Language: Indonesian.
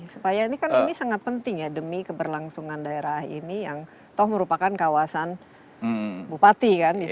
supaya ini kan ini sangat penting ya demi keberlangsungan daerah ini yang toh merupakan kawasan bupati kan di sana